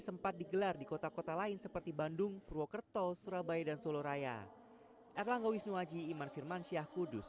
sempat digelar di kota kota lain seperti bandung purwokerto surabaya dan soloraya kudus